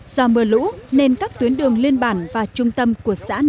do mưa lũ nên các tuyến đường liên bản và trung tâm của xã nậm nhun